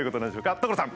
所さん！